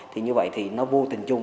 thì như vậy thì nó vô tình chung